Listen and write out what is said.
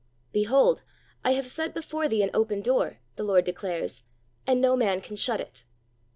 "Behold, I have set before thee an open door," the Lord declares, "and no man can shut it."